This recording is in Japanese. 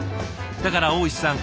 だから大石さん